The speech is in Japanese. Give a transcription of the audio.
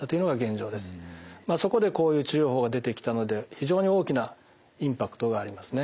そこでこういう治療法が出てきたので非常に大きなインパクトがありますね。